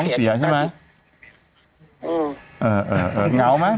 เนี่ยค่ะเออให้แกสุนิท